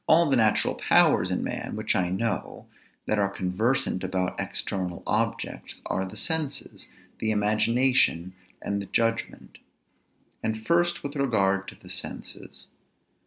All the natural powers in man, which I know, that are conversant about external objects, are the senses; the imagination; and the judgment. And first with regard to the senses.